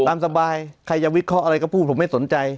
ตามสบายใครจะวิเคราะห์อะไรก็พูดผมไม่สนใจ